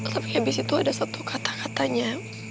tapi habis itu ada satu kata katanya